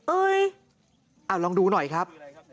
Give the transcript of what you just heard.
เอ้ยอ่ะลองดูหน่อยครับ